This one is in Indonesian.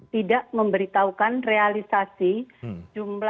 tidak memberitahukan realisasi jumlah dana csr yang diterima